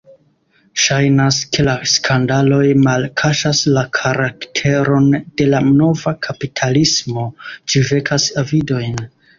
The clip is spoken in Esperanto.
Ŝajnas, ke la skandaloj malkaŝas la karakteron de la nova kapitalismo: ĝi vekas avidojn.